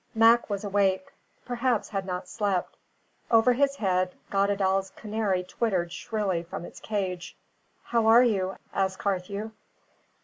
Mac was awake; perhaps had not slept. Over his head Goddedaal's canary twittered shrilly from its cage. "How are you?" asked Carthew.